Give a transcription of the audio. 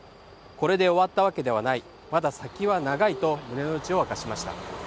これで終わったわけではない、まだ先は長いと胸のうちを明かしました。